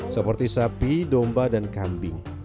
seperti sapi domba dan kambing